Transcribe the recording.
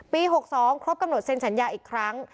๖๒ครบกำหนดเซ็นสัญญาอีกครั้ง